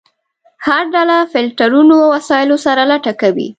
هر ډله فلټرونو وسایلو سره لټه کوي.